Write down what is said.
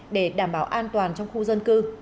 để đảm bảo an toàn trong khu dân cư